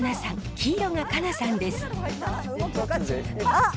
黄色が佳奈さんです。